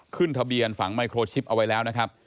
ขึ้นทะเบียนฝังไมโครชิปเอาไว้แล้วนะครับ